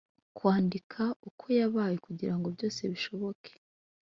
kwandika uko yabaye, kugirango byose bishoboke.